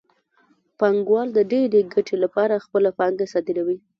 پانګوال د ډېرې ګټې لپاره خپله پانګه صادروي